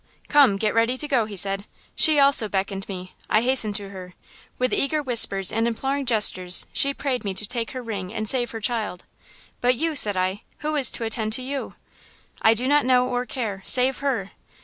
"'Come! Get ready to go,' he said. "She also beckoned me. I hastened to her. With eager whispers and imploring gestures she prayed me to take her ring and save her child. "'But you,' said I, 'who is to attend to you?' "'I do not know or care! Save her!'